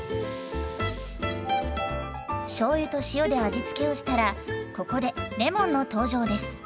しょうゆと塩で味付けをしたらここでレモンの登場です。